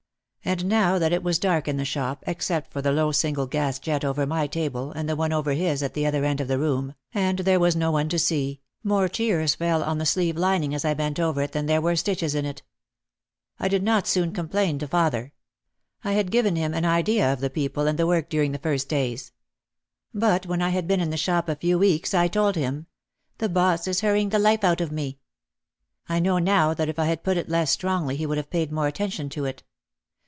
And now that it was dark in the shop except for the low single gas jet OUT OF THE SHADOW 113 over my table and the one over his at the other end of the room, and there was no one to see, more tears fell on the sleeve lining as I bent over it than there were stitches in it. I did not soon complain to father. I had given him an idea of the people and the work during the first days. But when I had been in the shop a few weeks I told him, "The boss is hurrying the life out of me." I know now that if I had put it less strongly he would have paid more attention to it.